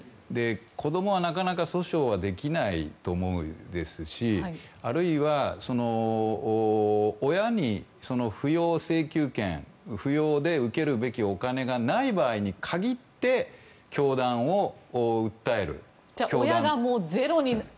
子供はなかなか訴訟はできないと思いますしあるいは、親に扶養請求権扶養を受けるべきお金がない場合に限って教団を訴える。